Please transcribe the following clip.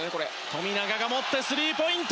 富永が持ってスリーポイント。